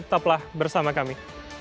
tetaplah bersama kami